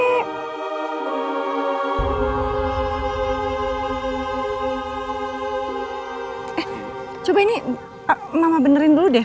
eh coba ini mama benerin dulu deh